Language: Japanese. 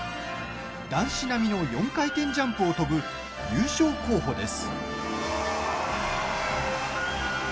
男子並みの４回転ジャンプを跳ぶ優勝候補です。